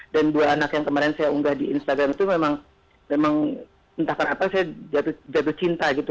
dan dua anak yang kemarin saya unggah di instagram itu memang entah kenapa saya jatuh cinta gitu